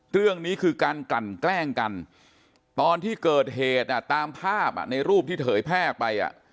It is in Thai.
เรื่องนี้คือการกลั่นแกล้งกันตอนที่เกิดเหตุตามภาพในรูปที่เผยแพร่ไป